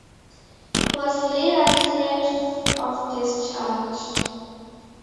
He was later cleared of this charge.